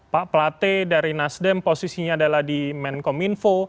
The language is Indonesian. pak platy dari nasdem posisinya adalah di menkom info